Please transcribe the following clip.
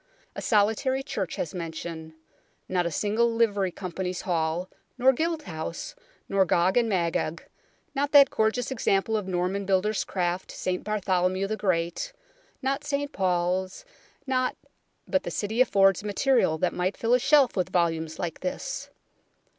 A solitary church has mention ; not a single Livery Company's hall, not Guildhall nor Gog and Magog, not that gorgeous example of Norman builders' craft, St Bartholomew the Great, not St Paul's, not but the City affords material that might fill a shelf with volumes like this.